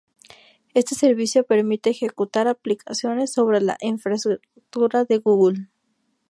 Este servicio permite ejecutar aplicaciones sobre la infraestructura de Google.